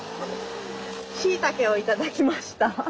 しいたけを頂きました。